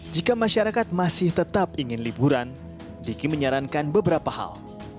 jika masyarakat masih tetap ingin liburan diki menyarankan beberapa hal